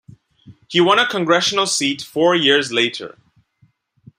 He won a congressional seat four years later.